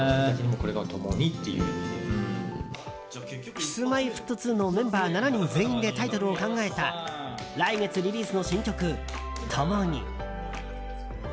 Ｋｉｓ‐Ｍｙ‐Ｆｔ２のメンバー７人全員でタイトルを考えた来月リリースの新曲「ともに」。